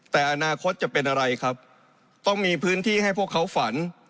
แต่อนาคตจะเป็นอะไรครับต้องมีพื้นที่ให้พวกเขาฝัน